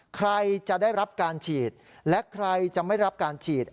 ใครจะได้รับการฉีดและใครจะไม่รับการฉีด